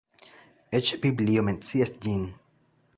Eĉ Biblio mencias ĝin.